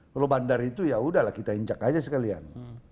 kalau bandar itu ya udahlah kita injak aja sekalian